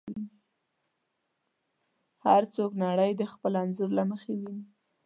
هر څوک نړۍ د خپل انځور له مخې ویني.